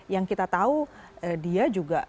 yang kita tahu dia juga